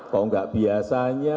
kok enggak biasanya